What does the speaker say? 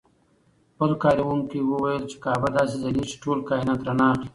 بل کاروونکي وویل چې کعبه داسې ځلېږي چې ټول کاینات رڼا اخلي.